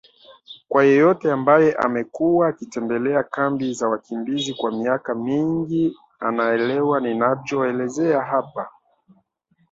Kwa yeyote ambaye amekuwa akitembelea kambi za wakimbizi kwa miaka mingi anaelewa ninachoelezea hapa